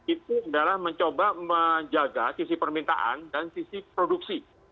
itu adalah mencoba menjaga sisi permintaan dan sisi produksi